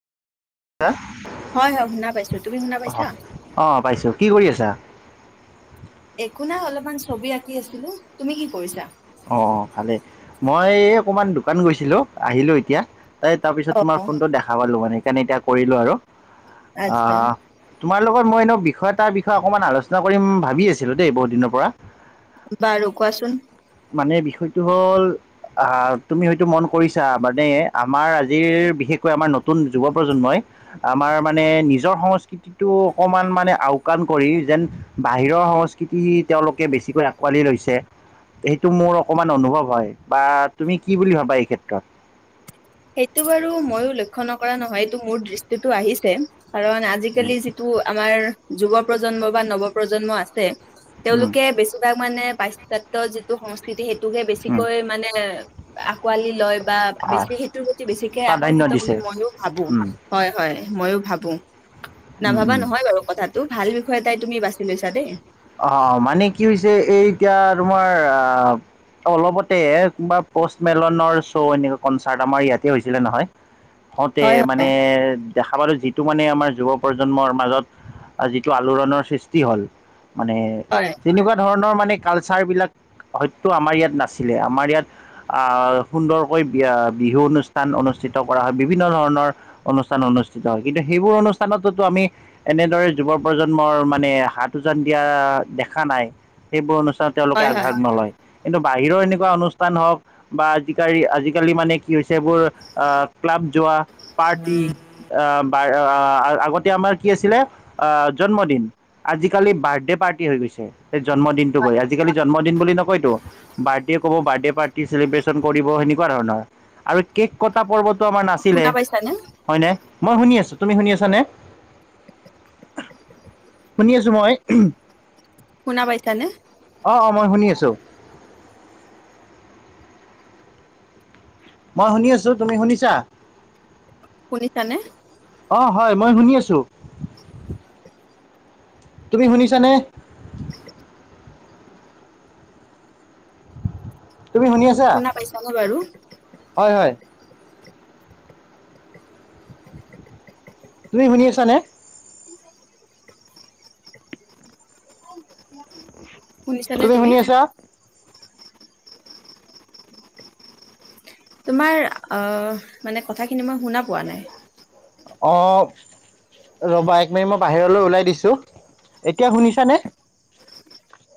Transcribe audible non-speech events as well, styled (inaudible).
হয় হয় শুনা পাইছো তুমি শুনা অ পাইছা? অ পাইছো কি কৰি আছা একো নাই অলপমান ছবি আঁকি আছিলো তুমি কি কৰিছা অ ভালেই মই অকমান দোকান গৈছিলো আহিলো এতিয়া এই তাৰপিছত অ তোমাৰ ফোনটো দেখা পালোঁ মানে সেইকাৰণে এতিয়া কৰিলোঁ আৰু। আ আচ্ছা তোমাৰ লগত মই এনেও বিষয় তাৰ বিষয়ে অকণমান আলোচনা কৰিম ভাবি আছিলো দেই বহুত দিনৰ পৰা। বাৰু কোৱাচোন? মানে বিষয়টো হ'ল অ তুমি হয়তো মন কৰিছা মানে আমাৰ আজিৰ বিশেষকৈ আমাৰ নতুন যুৱ প্ৰজন্মই আমাৰ মানে নিজৰ সংস্কৃতিটো অকমান মানে আওকাণ কৰি যেন বাহিৰৰ সংস্কৃতি তেওঁলোকে বেছিকৈ আঁকোৱালি লৈছে। সেইটো মোৰ অকমান অনুভৱ হয় বা তুমি কি বুলি ভাবা এই ক্ষেত্ৰত? সেইটো বাৰু ময়ো লক্ষ্য নকৰা নহয় এইটো মোৰ দৃষ্টিটো আহিছে। কাৰণ উম, আজিকালি যিটো আমাৰ যুৱ প্ৰজন্ম বা নৱ প্ৰজন্ম আছে উম, তেওঁলোকে বেছিভাগ মানে পাশ্চাত্য যিটো সংস্কৃতি সেইটোকহে উম, বেছিকৈ মানে আকোৱালি লয় বা হয় বেছি এইটো প্ৰতি বেছিকে প্ৰাধান্য আকৰ্ষিত দিছে বুলি মইও ভাবো, উম, হয় হয় মইও ভাবো। উম, নাভাবা উম। নহয় বাৰু কথাটো ভাল বিষয় এটাই তুমি বাছি লৈছা দেই। অ আ অলপতে বা পষ্টমেলনৰ শ্ব' এনেকুৱা কনচাৰ্ট আমাৰ ইয়াতে হৈছিলে নহয়। হওঁতে হয় হয় মানে দেখা পালো যিটো মানে আমাৰ যুৱ প্ৰজন্মৰ মাজত যিটো আলোড়নৰ সৃষ্টি হ'ল মানে হয় তেনেকোৱা ধৰণৰ মান মানে কালচাৰবিলাক হয়তো আমাৰ ইয়াত নাছিলে আমাৰ ইয়াত আ সুন্দৰকৈ বি বিহু অনুষ্ঠান অনুষ্ঠিত কৰা হয়, বিভিন্ন ধৰণৰ অনুষ্ঠান অনুষ্ঠিত হয় কিন্তু সেইবোৰ অনুষ্ঠানতো আমি এনেদৰে যুৱ প্ৰজন্ম মানে হাত দিয়া দেখা নাই সেইবোৰ অনুষ্ঠানত তেওঁলোকে হয় হয় আগভাগ নলয়। কিন্তু বাহিৰৰ এনেকুৱা অনুষ্ঠান হওঁক বা আজিকালি আজিকালি মানে কি হৈছে এইবোৰ ক্লাব যোৱা পাৰ্টি এ পাৰ আগতে আমাৰ কি আছিলে আ জন্মদিন, আজি আজকালি বাৰ্থডে পাৰ্টি হৈ গৈছে। জন্মদিনটো কয় আজিকালি জন্মদিন বুলি নকয়তো বাৰ্থডে ক'ব বাৰ্থডে পাৰ্টি চ্ৰেলিবেচন চন কৰিব সেনেকোৱা ধৰণৰ আৰু কেক কটা পৰ্ব এইটো আমাৰ নাছিলে শুনা পাইছানে হয়নে, মই শুনি আছোঁ। তুমি শুনি আছানে? শুনি আছো মই শুনা পাইছানে অ অ মই শুনি আছো। মই শুনি আছোঁ, তুমি শুনিছা? শুনিছানে অ হয় মই শুনি আছো। (inaudible) তুমি শুনিছানে? তুমি শুনি আছা শুনা পাইছানে বাৰু হয় হয়। তুমি শুনি আছানে? (unintelligible) তুমি শুনি আছা? তোমাৰ আ মানে কথাখিনি মই শুনা পোৱা নাই? অঁ। ৰ'বা একমিনিট মই বাহিৰলৈ ওলাই দিছোঁ, এতিয়া শুনিছানে?